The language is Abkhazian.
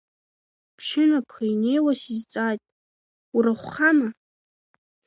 Ԥшьынаԥха инеиуа сизҵааит урахәхама?!